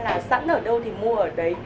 là sẵn ở đâu thì mua ở đấy